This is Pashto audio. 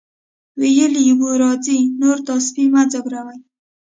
ویلي یې وو راځئ نور دا سپی مه ځوروئ.